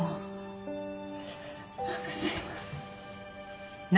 すみません。